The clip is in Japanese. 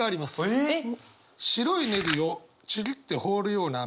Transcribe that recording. えっ！？